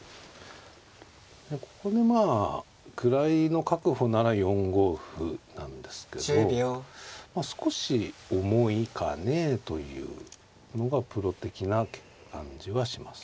ここでまあ位の確保なら４五歩なんですけど少し重いかねえというのがプロ的な感じはします。